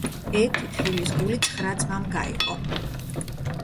ერთი თხილის გული ცხრა ძმამ გაიყო.